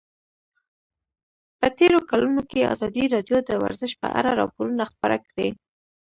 په تېرو کلونو کې ازادي راډیو د ورزش په اړه راپورونه خپاره کړي دي.